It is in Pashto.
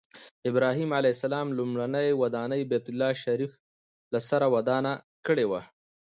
ابراهیم علیه السلام لومړنۍ ودانۍ بیت الله شریفه له سره ودانه کړې وه.